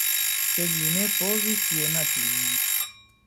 Sed li ne povis tion atingi.